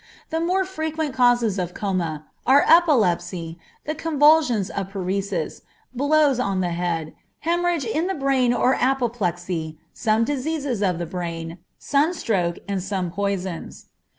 The more frequent causes of coma, are epilepsy, the convulsions of paresis, blows on the head, hemorrhage in the brain or apoplexy, some diseases of the brain, sunstroke, and some poisons.